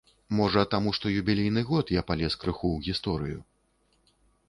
Можа, таму што юбілейны год, я палез крыху ў гісторыю.